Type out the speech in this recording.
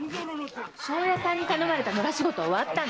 庄屋さんに頼まれた野良仕事は終わったの？